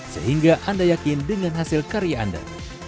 sehingga anda yakin dengan hasil karya anda